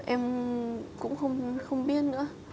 em cũng không biết nữa